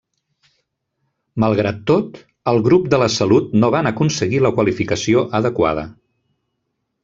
Malgrat tot, el grup de la Salut no van aconseguir la qualificació adequada.